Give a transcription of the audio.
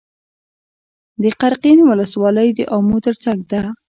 د قرقین ولسوالۍ د امو تر څنګ ده